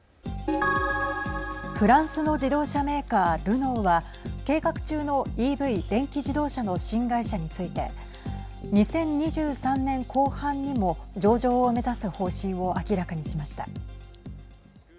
フランスの自動車メーカールノーは計画中のＥＶ＝電気自動車の新会社について２０２３年後半にも上場を目指す方針を明らかにしました。